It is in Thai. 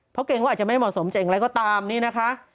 เพราะเกรงว่าอาจจะไม่เหมาะสมเจ๋งอะไรก็ตามนี่นะคะ